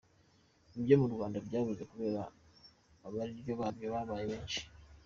Ibyo mu Rwanda byabuze kubera ko abaryi babyo babaye benshi.